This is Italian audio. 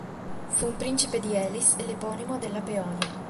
Fu un principe di Elis e l'eponimo della Peonia.